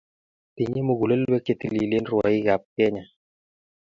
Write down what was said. tinyei mugulelwek che tililen rwoikab Kenya